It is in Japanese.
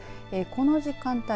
この時間帯